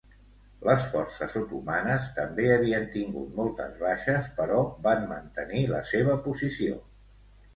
Les forces otomanes també havien tingut moltes baixes però van mantenir la seva posició.